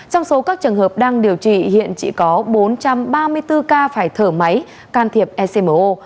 trong số các trường hợp đang điều trị hiện chỉ có bốn trăm ba mươi bốn ca phải thở máy can thiệp ecmo